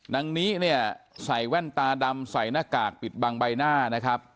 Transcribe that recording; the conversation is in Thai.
นางนิเนี่ยใส่แว่นตาดำใส่หน้ากากปิดบังใบหน้านะครับ